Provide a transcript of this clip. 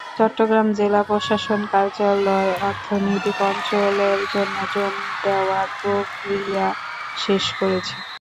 চট্টগ্রাম জেলা প্রশাসন কার্যালয় অর্থনৈতিক অঞ্চলের জন্য জমি দেওয়ার প্রক্রিয়া শেষ করেছে।